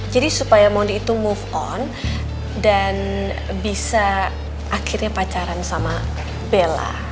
jadi supaya mondi itu move on dan bisa akhirnya pacaran sama bella